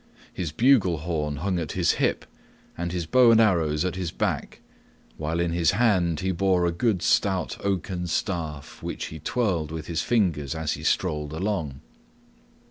His bugle horn hung at his hip and his bow and arrows at his back, while in his hand he bore a good stout oaken staff, which he twirled with his fingers as he strolled along.